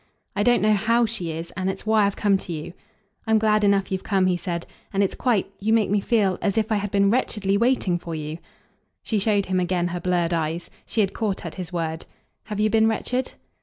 "I don't know HOW she is and it's why I've come to you." "I'm glad enough you've come," he said, "and it's quite you make me feel as if I had been wretchedly waiting for you." She showed him again her blurred eyes she had caught at his word. "Have you been wretched?"